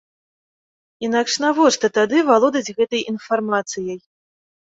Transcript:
Інакш навошта тады валодаць гэтай інфармацыяй?